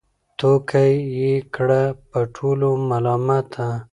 توتکۍ یې کړه په ټولو ملامته